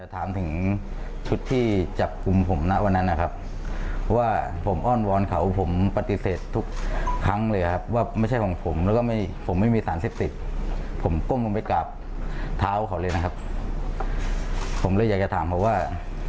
ตอนนั้นนะครับกล้าทำ